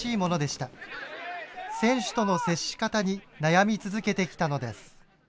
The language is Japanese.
選手との接し方に悩み続けてきたのです。